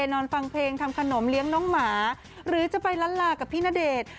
นอนฟังเพลงทำขนมเลี้ยงน้องหมาหรือจะไปล้านลากับพี่ณเดชน์